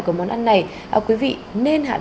cho cảm giác nó giải nhiệt